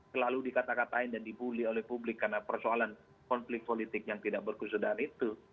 selalu dikata katain dan dibully oleh publik karena persoalan konflik politik yang tidak berkesudahan itu